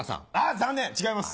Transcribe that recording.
残念違います。